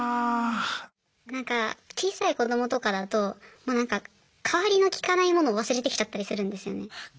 なんか小さい子どもとかだと代わりの利かないものを忘れてきちゃったりするんですよね。